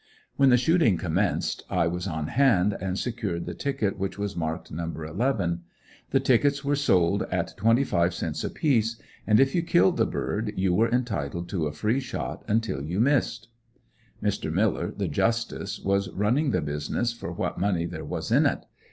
When the shooting commenced I was on hand and secured the ticket which was marked number eleven. The tickets were sold at twenty five cents apiece, and if you killed the bird, you were entitled to a free shot until you missed. Mr. Miller, the Justice, was running the business for what money there was in it.